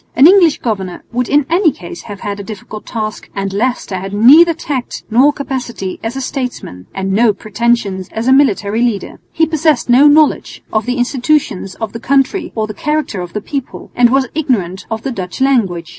An English governor would in any case have had a difficult task, and Leicester had neither tact nor capacity as a statesman, and no pretensions as a military leader. He possessed no knowledge of the institutions of the country or the character of the people, and was ignorant of the Dutch language.